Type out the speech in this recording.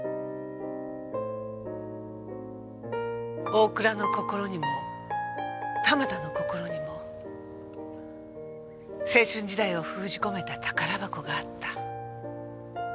大倉の心にも玉田の心にも青春時代を封じ込めた宝箱があった。